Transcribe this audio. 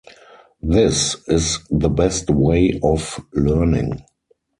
This is the best way of learning.